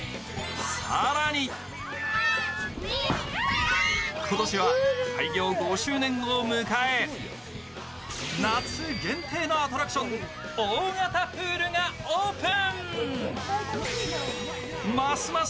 更に今年は開業５周年を迎え夏限定のアトラクション大型プールがオープン。